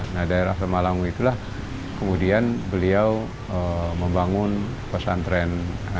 nah daerah pemalangu itulah kemudian beliau membangun pesantren